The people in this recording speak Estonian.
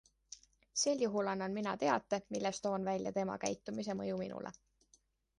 Sel juhul annan mina teate, milles toon välja tema käitumise mõju minule.